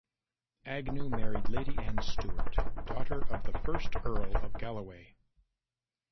Agnew married Lady Anne Stewart, daughter of the first Earl of Galloway.